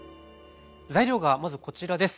材料がまずこちらです。